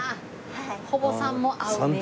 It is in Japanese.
保母さんも合うね。